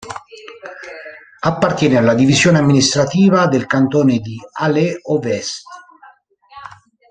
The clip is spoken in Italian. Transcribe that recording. Appartiene alla divisione amministrativa del Cantone di Alès-Ovest.